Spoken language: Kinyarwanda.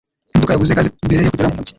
Imodoka yabuze gaze mbere yo kugera mu mujyi.